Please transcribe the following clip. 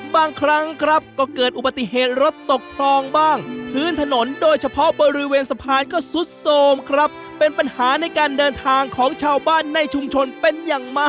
บางครั้งครับก็เกิดอุบัติเหตุรถตกคลองบ้างพื้นถนนโดยเฉพาะบริเวณสะพานก็สุดโสมครับเป็นปัญหาในการเดินทางของชาวบ้านในชุมชนเป็นอย่างมาก